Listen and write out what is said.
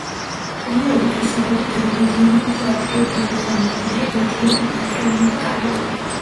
ქიმიური თვისებებით რუბიდიუმი უფრო აქტიური ლითონია, ვიდრე ლითიუმი, ნატრიუმი და კალიუმი.